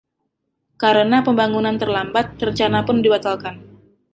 Karena pembangunan terlambat, rencana pun dibatalkan.